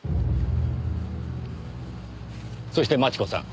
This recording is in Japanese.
そして真智子さん。